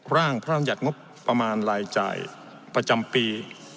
ร่างพระรำยัติงบประมาณรายจ่ายประจำปี